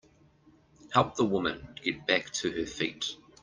Help the woman get back to her feet.